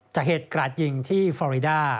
จากเหตุกราดยิงที่ฟอริดา